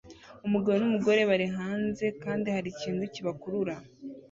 Umugabo numugore bari hanze kandi hari ikintu kibakurura